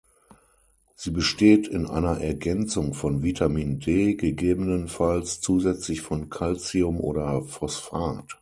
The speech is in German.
Sie besteht in einer Ergänzung von Vitamin D, gegebenenfalls zusätzlich von Calcium oder Phosphat.